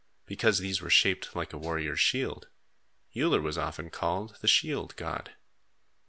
Because these were shaped like a warrior's shield, Uller was often called the shield god.